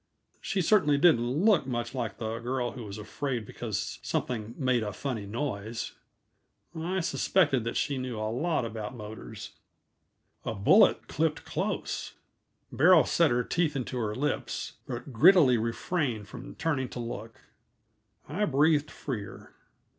She certainly didn't look much like the girl who was afraid because something "made a funny noise." I suspected that she knew a lot about motors. A bullet clipped close. Beryl set her teeth into her lips, but grittily refrained from turning to look. I breathed freer.